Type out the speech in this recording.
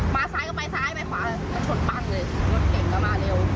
มาซ้ายก็ไปซ้ายไปขวาเลย